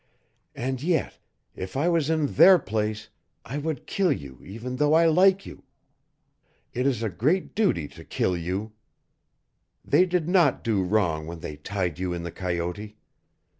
And yet, if I was in their place, I would kill you even though I like you. It is a great duty to kill you. They did not do wrong when they tied you in the coyote.